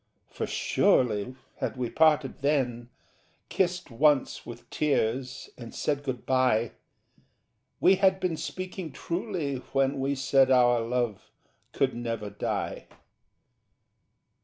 For surely had we parted then, Kissed once with tears and said Good bye, We had been speaking truly when We said our love could never die.